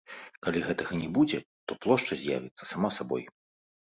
Калі гэтага не будзе, то плошча з'явіцца сама сабой.